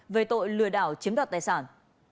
về tội lừa đảo chiếm đặt tài sản